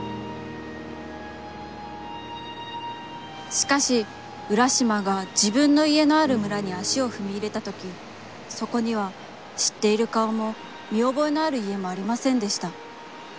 しかし、浦島がじぶんの家のある村に足をふみ入れた時、そこには知っている顔も、みおぼえのある家もありませんでした。